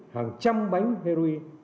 hàng trăm bánh heroin